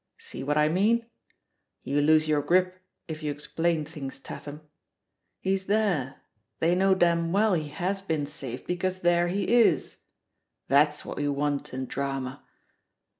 See what I mean? You lose your grip if you explain things, Tatham. He's there I they know damn well he has been saved, because there he is! That's what we want in drama.